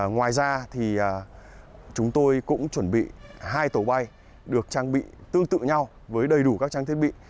ngoài ra thì chúng tôi cũng chuẩn bị hai tổ bay được trang bị tương tự nhau với đầy đủ các trang thiết bị